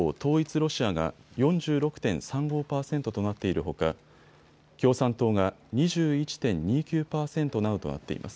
ロシアが４６．３５％となっているほか共産党が２１．２９％などとなっています。